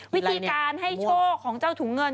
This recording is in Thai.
วิธีการให้โชคของเจ้าถุงเงิน